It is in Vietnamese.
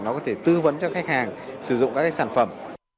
nó có thể tư vấn cho khách hàng sử dụng các cái sản phẩm